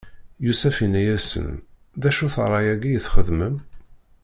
Yusef inna-asen: D acu-t ṛṛay-agi i txedmem?